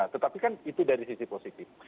tetapi kan itu dari sisi positif